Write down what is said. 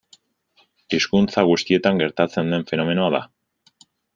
Hizkuntza guztietan gertatzen den fenomenoa da.